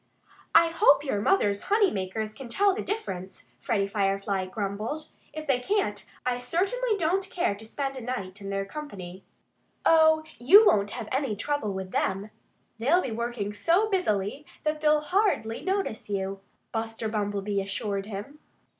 "I hope your mother's honey makers can tell the difference," Freddie Firefly grumbled. "If they can't, I certainly don't care to spend a night in their company." "Oh, you won't have any trouble with them. They'll be working so busily that they'll hardly notice you," Buster Bumblebee assured him.